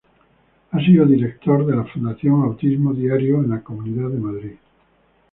Ha sido director de la Fundación Autismo Diario en la Comunidad de Madrid.